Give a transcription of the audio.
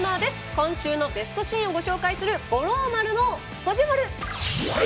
今週のベストシーンを紹介する「五郎丸の五重マル」。